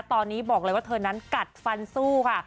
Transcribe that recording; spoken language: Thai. ตอนนี้บอกเลยว่าเธอนั้นกัดฟันสู้ค่ะ